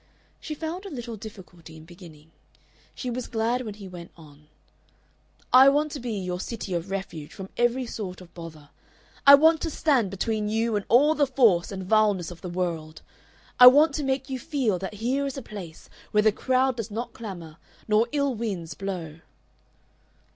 She found a little difficulty in beginning. She was glad when he went on: "I want to be your city of refuge from every sort of bother. I want to stand between you and all the force and vileness of the world. I want to make you feel that here is a place where the crowd does not clamor nor ill winds blow."